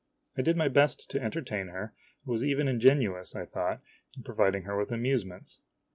I did my best to entertain her, and was even ingenious, I thought, in providing her with amusements.